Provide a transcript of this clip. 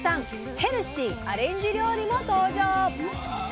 ヘルシーアレンジ料理も登場！